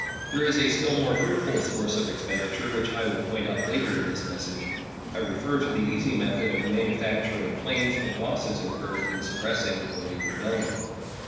There is a still more fruitful source of expenditure, which I will point out later in this message. I refer to the easy method of manufacturing claims for losses incurred in suppressing the late rebellion.